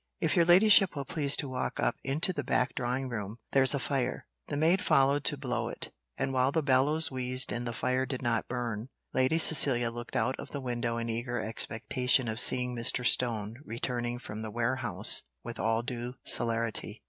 If your ladyship will please to walk up into the back drawing room there's a fire." The maid followed to blow it; and while the bellows wheezed and the fire did not burn, Lady Cecilia looked out of the window in eager expectation of seeing Mr. Stone returning from the warehouse with all due celerity.